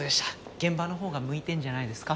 現場のほうが向いてんじゃないですか？